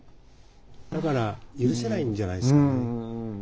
だから許せないんじゃないですかね。